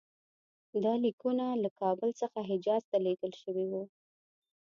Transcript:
دا لیکونه له کابل څخه حجاز ته لېږل شوي وو.